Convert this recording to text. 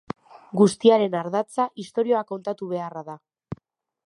Guztiaren ardatza istorioa kontatu beharra da.